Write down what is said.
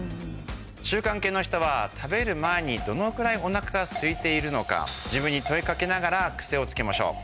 習慣系の人は食べる前にどのくらいお腹がすいているのか自分に問いかけながら癖をつけましょう。